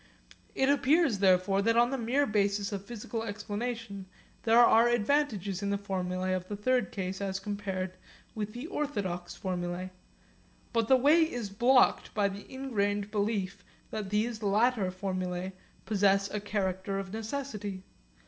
It appears therefore that on the mere basis of physical explanation there are advantages in the formulae of the third case as compared with the orthodox formulae. But the way is blocked by the ingrained belief that these latter formulae possess a character of necessity.